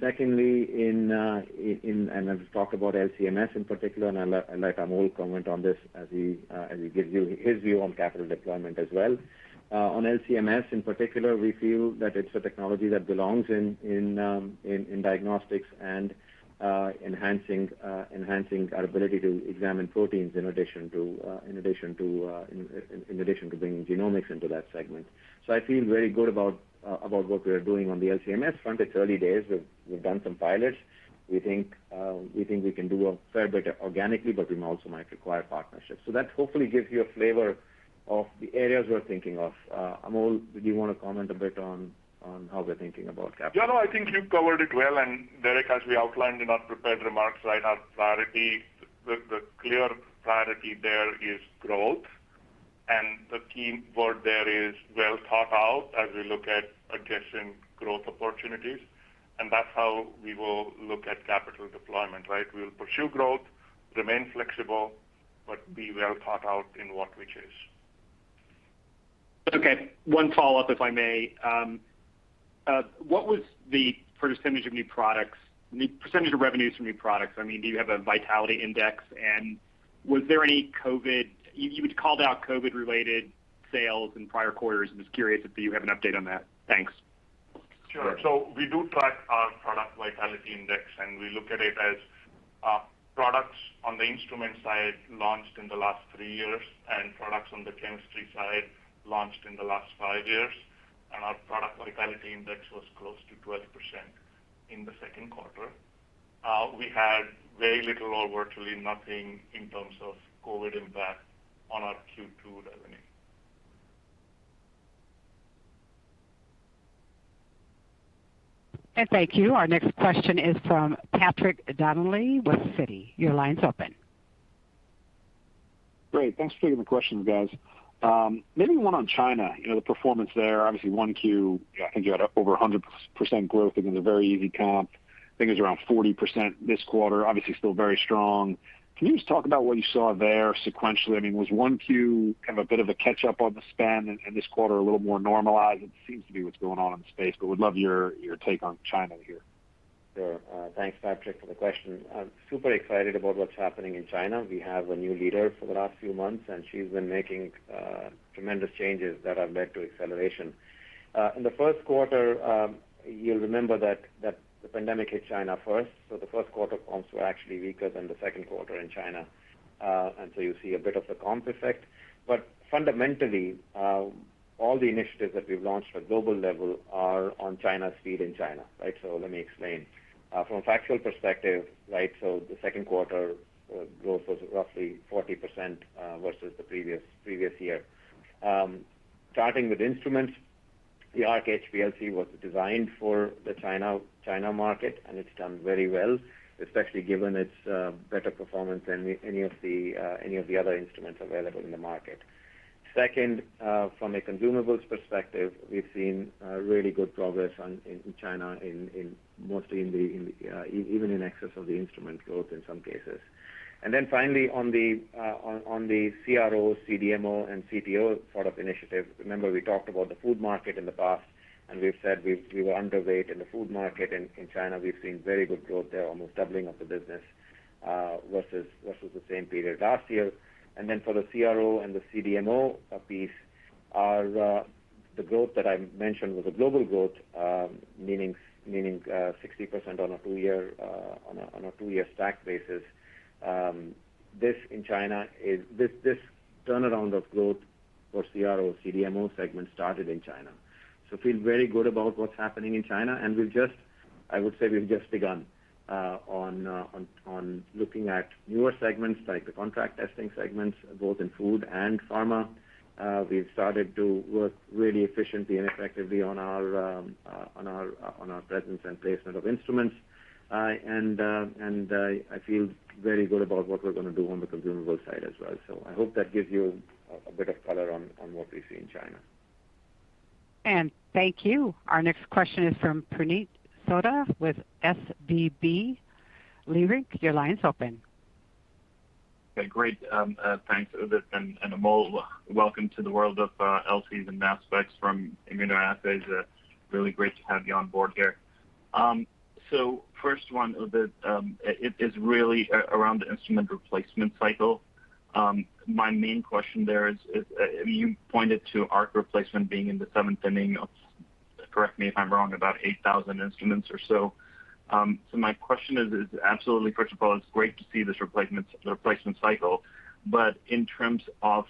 Secondly, I'll just talk about LC-MS in particular, I'll let Amol comment on this as he gives you his view on capital deployment as well. On LC-MS in particular, we feel that it's a technology that belongs in diagnostics and enhancing our ability to examine proteins in addition to bringing genomics into that segment. I feel very good about what we are doing on the LC-MS front. It's early days. We've done some pilots. We think we can do a fair bit organically, but we also might require partnerships. That hopefully gives you a flavor of the areas we're thinking of. Amol, did you want to comment a bit on how we're thinking about capital? I think you've covered it well, Derik, as we outlined in our prepared remarks, the clear priority there is growth. The key word there is well thought out as we look at adjacent growth opportunities. That's how we will look at capital deployment, right? We'll pursue growth, remain flexible, but be well thought out in what we choose. Okay. One follow-up, if I may. What was the percentage of revenues from new products? Do you have a vitality index? You had called out COVID-related sales in prior quarters, and was curious if you have an update on that. Thanks. Sure. We do track our product vitality index, and we look at it as products on the instrument side launched in the last three years and products on the chemistry side launched in the last five years. Our product vitality index was close to 12% in the second quarter. We had very little or virtually nothing in terms of COVID impact on our Q2 revenue. Thank you. Our next question is from Patrick Donnelly with Citi. Your line's open. Great. Thanks for taking the questions, guys. One on China, the performance there, obviously 1Q, I think you had over 100% growth. I think it was a very easy comp. I think it was around 40% this quarter, obviously still very strong. Can you just talk about what you saw there sequentially? I mean, was 1Q kind of a bit of a catch-up on the spend and this quarter a little more normalized? It seems to be what's going on in the space, would love your take on China here. Sure. Thanks, Patrick, for the question. I'm super excited about what's happening in China. We have a new leader for the last few months, and she's been making tremendous changes that have led to acceleration. In the first quarter, you'll remember that the pandemic hit China first, the first quarter comps were actually weaker than the second quarter in China. You see a bit of the comps effect. Fundamentally, all the initiatives that we've launched at global level are on China speed in China, right? Let me explain. From a factual perspective, the second quarter growth was roughly 40% versus the previous year. Starting with instruments, the Arc HPLC was designed for the China market, and it's done very well, especially given its better performance than any of the other instruments available in the market. From a consumables perspective, we've seen really good progress in China even in excess of the instrument growth in some cases. Finally on the CRO, CDMO, and CTO sort of initiative, remember we talked about the food market in the past, we've said we were underweight in the food market in China. We've seen very good growth there, almost doubling of the business versus the same period last year. For the CRO and the CDMO piece, the growth that I mentioned was a global growth, meaning 60% on a two-year stack basis. This turnaround of growth for CRO, CDMO segment started in China. Feel very good about what's happening in China. I would say we've just begun on looking at newer segments like the contract testing segments, both in food and pharma. We've started to work really efficiently and effectively on our presence and placement of instruments. I feel very good about what we're going to do on the consumable side as well. I hope that gives you a bit of color on what we see in China. Thank you. Our next question is from Puneet Souda with SVB Leerink. Your line's open. Okay, great. Thanks, Udit and Amol. Welcome to the world of LC and Mass Spec from immunoassays. Really great to have you on board here. First one, Udit, is really around the instrument replacement cycle. My main question there is, you pointed to Arc replacement being in the seventh inning of, correct me if I'm wrong, about 8,000 instruments or so. My question is, absolutely first of all, it's great to see this replacement cycle. In terms of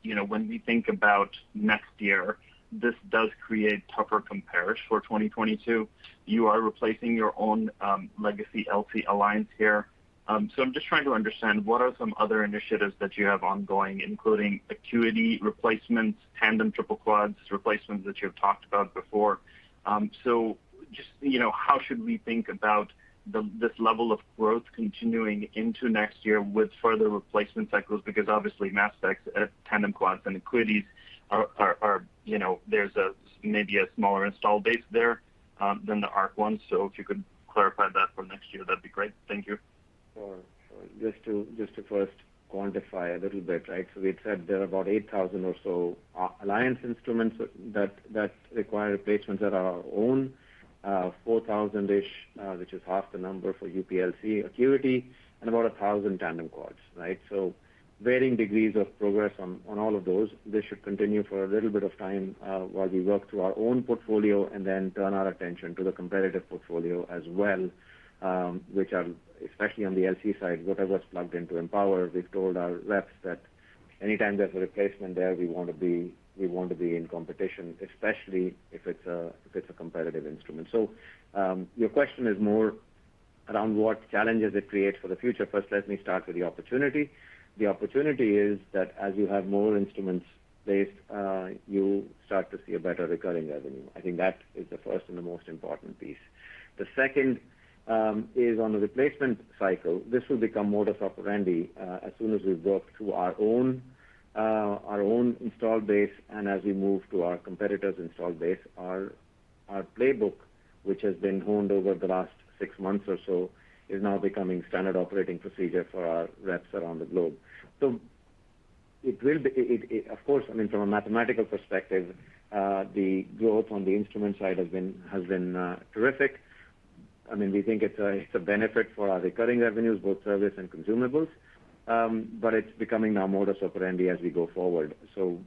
when we think about next year, this does create tougher compares for 2022. You are replacing your own legacy LC Alliance here. I'm just trying to understand what are some other initiatives that you have ongoing, including ACQUITY replacements, tandem triple quads replacements that you have talked about before. Just how should we think about this level of growth continuing into next year with further replacement cycles? Obviously MassSpec tandem quads and ACQUITYs, there's maybe a smaller install base there than the Arc 1. If you could clarify that for next year, that'd be great. Thank you. Sure. Just to first quantify a little bit. We said there are about 8,000 or so Alliance instruments that require replacements that are our own. 4,000-ish, which is half the number for UPLC ACQUITY, and about 1,000 Tandem Quads. Varying degrees of progress on all of those. This should continue for a little bit of time while we work through our own portfolio and then turn our attention to the competitive portfolio as well, which are, especially on the LC side, whatever's plugged into Empower, we've told our reps that anytime there's a replacement there, we want to be in competition, especially if it's a competitive instrument. Your question is more around what challenges it creates for the future. First, let me start with the opportunity. The opportunity is that as you have more instruments based, you start to see a better recurring revenue. I think that is the first and the most important piece. The second is on the replacement cycle. This will become modus operandi, as soon as we work through our own install base and as we move to our competitors' install base. Our playbook, which has been honed over the last six months or so, is now becoming standard operating procedure for our reps around the globe. Of course, from a mathematical perspective, the growth on the instrument side has been terrific. We think it's a benefit for our recurring revenues, both service and consumables, but it's becoming now modus operandi as we go forward.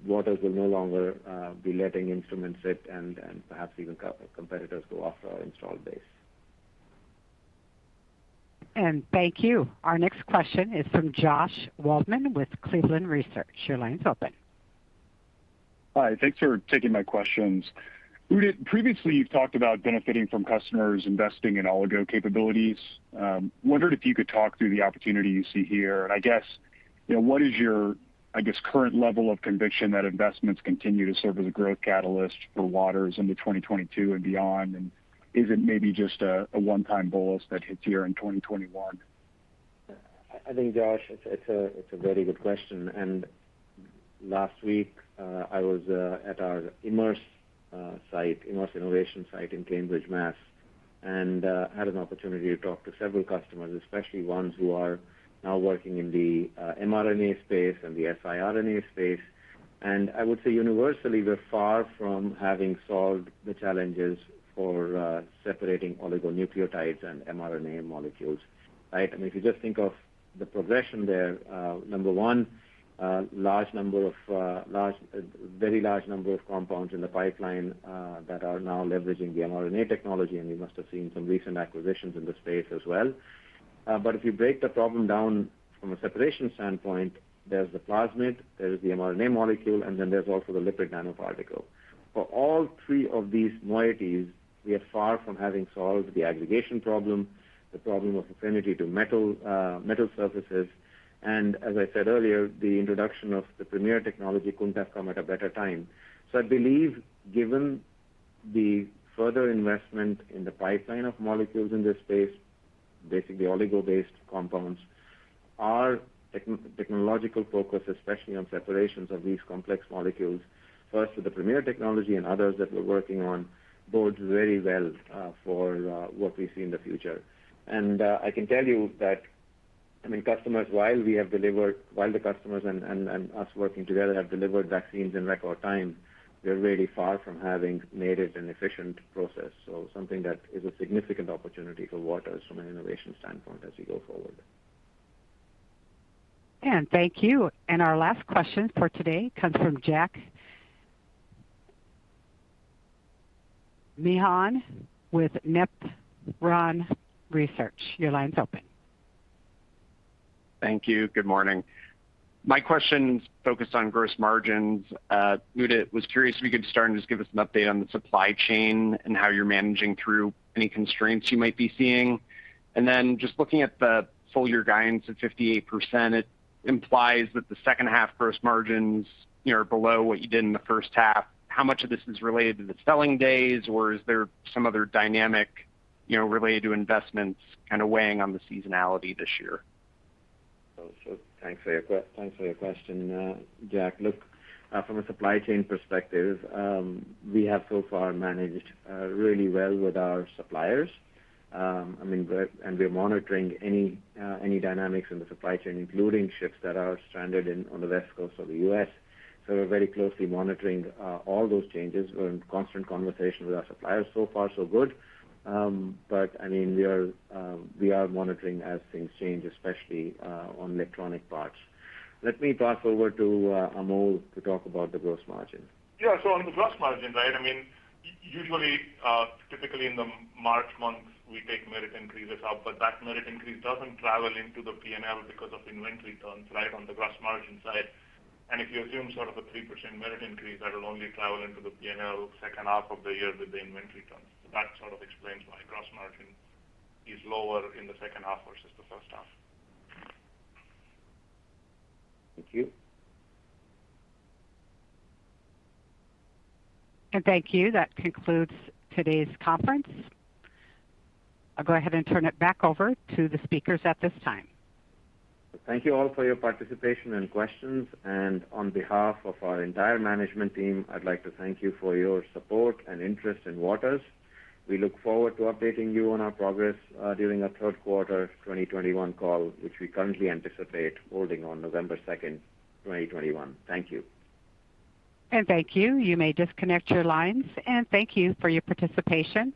Waters will no longer be letting instruments sit and perhaps even competitors go after our installed base. Thank you. Our next question is from Josh Waldman with Cleveland Research. Your line's open. Hi, thanks for taking my questions. Udit, previously you've talked about benefiting from customers investing in oligo capabilities. Wondered if you could talk through the opportunity you see here, and I guess, what is your current level of conviction that investments continue to serve as a growth catalyst for Waters into 2022 and beyond? Is it maybe just a one-time bolus that hits here in 2021? I think, Josh, it's a very good question. Last week, I was at our immerse innovation site in Cambridge, Mass., and had an opportunity to talk to several customers, especially ones who are now working in the mRNA space and the siRNA space. I would say universally, we're far from having solved the challenges for separating oligonucleotide and mRNA molecules. If you just think of the progression there, number one, very large number of compounds in the pipeline that are now leveraging the mRNA technology. You must have seen some recent acquisitions in the space as well. If you break the problem down from a separation standpoint, there's the plasmid, there's the mRNA molecule, and then there's also the lipid nanoparticle. For all three of these moieties, we are far from having solved the aggregation problem, the problem of affinity to metal surfaces. As I said earlier, the introduction of the Premier technology couldn't have come at a better time. I believe given the further investment in the pipeline of molecules in this space, basically oligo-based compounds, our technological focus, especially on separations of these complex molecules, first with the Premier technology and others that we're working on, bodes very well for what we see in the future. I can tell you that while the customers and us working together have delivered vaccines in record time, we're really far from having made it an efficient process. Something that is a significant opportunity for Waters from an innovation standpoint as we go forward. Thank you. Our last question for today comes from Jack Meehan with Nephron Research. Your line's open. Thank you. Good morning. My question's focused on gross margins. Udit, was curious if you could start and just give us an update on the supply chain and how you're managing through any constraints you might be seeing? Just looking at the full-year guidance of 58%, it implies that the second half gross margins are below what you did in the first half. How much of this is related to the selling days, or is there some other dynamic related to investments kind of weighing on the seasonality this year? Thanks for your question, Jack. Look, from a supply chain perspective, we have so far managed really well with our suppliers. We're monitoring any dynamics in the supply chain, including ships that are stranded on the West Coast of the U.S. We're very closely monitoring all those changes. We're in constant conversation with our suppliers. Far so good. We are monitoring as things change, especially on electronic parts. Let me pass over to Amol to talk about the gross margin. On the gross margin. Usually, typically in the March months, we take merit increases up, but that merit increase doesn't travel into the P&L because of inventory turns on the gross margin side. If you assume sort of a 3% merit increase, that will only travel into the P&L second half of the year with the inventory turns. That sort of explains why gross margin is lower in the second half versus the first half. Thank you. Thank you. That concludes today's conference. I'll go ahead and turn it back over to the speakers at this time. Thank you all for your participation and questions, and on behalf of our entire management team, I'd like to thank you for your support and interest in Waters. We look forward to updating you on our progress during our third quarter 2021 call, which we currently anticipate holding on November 2nd, 2021. Thank you. Thank you. You may disconnect your lines, and thank you for your participation.